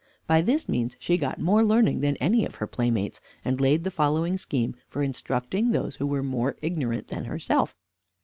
By this means she got more learning than any of her playmates, and laid the following scheme for instructing those who were more ignorant than herself.